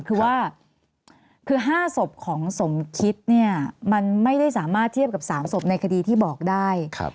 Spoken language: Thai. คือว่าคือ๕ศพของสมคิดเนี่ยมันไม่ได้สามารถเทียบกับ๓ศพในคดีที่บอกได้